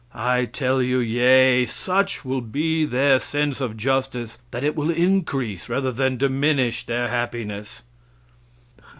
I tell you yea. Such will be their sense of justice that it will increase rather than diminish their happiness."